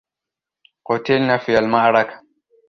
قُتلن في المعركة.